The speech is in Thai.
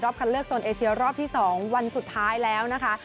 คันเลือกโซนเอเชียรอบที่๒วันสุดท้ายแล้วนะคะ